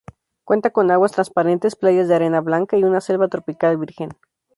Cuenta con aguas transparentes, playas de arena blanca y una selva tropical virgen.